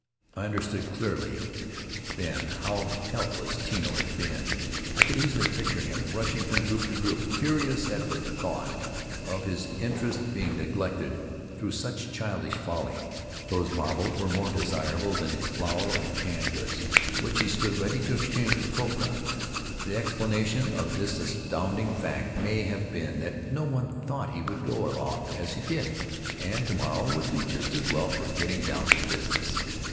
I understood clearly then how helpless Tino had been. I could easily picture him rushing from group to group, furious at the thought of his interests being neglected through such childish folly. Those marbles were more desirable than his flour and canned goods, which he stood ready to ex change for copra. The explanation of this astounding fact may have been that no one thought he would go off as he did, and to morrow would do just as well for getting down to business.